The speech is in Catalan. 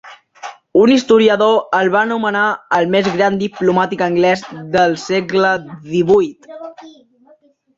Un historiador el va anomenar el més gran diplomàtic anglès del segle XVIII.